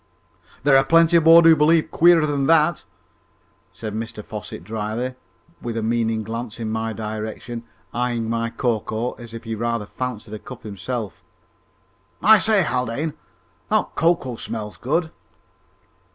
"There are plenty aboard who believe queerer things than that!" said Mr Fosset drily, with a meaning glance in my direction, eyeing my cocoa as if he rather fancied a cup himself. "I say, Haldane, that cocoa smells good!"